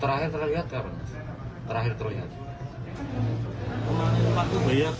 terakhir terlihat kan mas terakhir terlihat